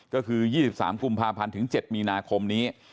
ก็คือ๒๓กุมภาพันธ์ถึง๗มีนาคมนี้